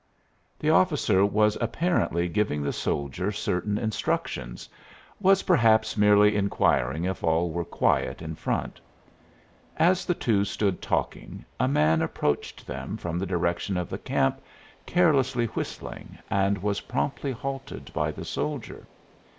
The officer was apparently giving the soldier certain instructions was perhaps merely inquiring if all were quiet in front. As the two stood talking a man approached them from the direction of the camp, carelessly whistling, and was promptly halted by the soldier.